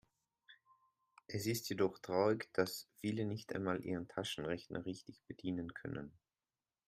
Es ist jedoch traurig, dass viele nicht einmal ihren Taschenrechner richtig bedienen können.